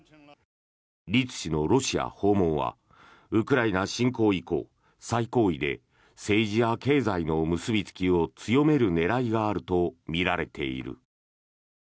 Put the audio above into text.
リツ氏のロシア訪問はウクライナ侵攻以降最高位で政治や経済の結びつきを強める狙いがあるとみられている。